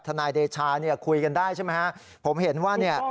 นายเดชาเนี่ยคุยกันได้ใช่ไหมฮะผมเห็นว่าเนี่ย